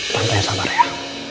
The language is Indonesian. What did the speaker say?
tantanya sabar ya